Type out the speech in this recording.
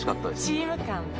チーム感ね。